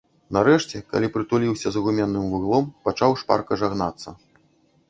Нарэшце, калі прытуліўся за гуменным вуглом, пачаў шпарка жагнацца.